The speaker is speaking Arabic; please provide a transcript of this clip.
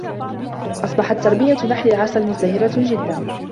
أصبحت تربية نحل العسل مزدهرة جدا.